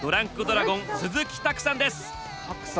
ドラゴン鈴木拓さんです。